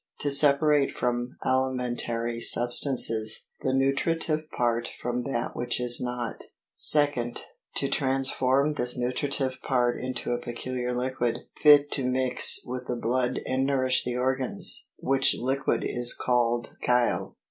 To separate from alimentary substances the nutritive part from that which is not. 2nd. To transform this nutritive part into a peculiar liquid, fit to mix with the blood and nourish the organs, which liquid is called chyle.